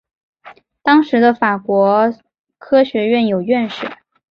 当代的法国科学院有院士。